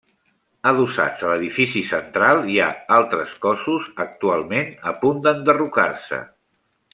Adossats a l'edifici central hi ha altres cossos actualment a punt d'enderrocar-se.